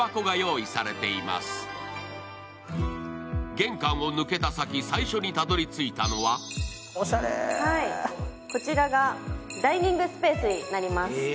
玄関を抜けた先、最初にたどりついたのはこちらがダイニングスペースになります。